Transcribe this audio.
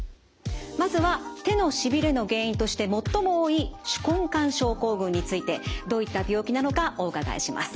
まずは手のしびれの原因として最も多い手根管症候群についてどういった病気なのかお伺いします。